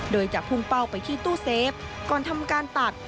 โดยจะพุ่งเป้าไปที่ตู้เซฟก่อนทำการตัด